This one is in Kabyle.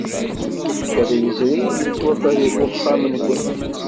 Iḍ yezrin, yettwaker wexxam-nwent.